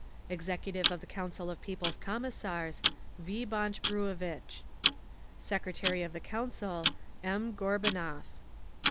Executive of the Council of People's Commissars, V. BONCH BRUEVITCH. Secretary of the Council, N. GORBUNOV.